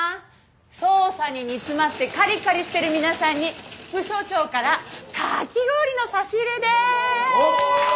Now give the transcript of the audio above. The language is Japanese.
捜査に煮詰まってカリカリしてる皆さんに副署長からかき氷の差し入れです！